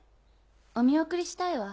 お見送りしたいわ。